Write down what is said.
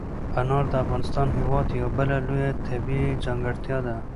انار د افغانستان هېواد یوه بله لویه طبیعي ځانګړتیا ده.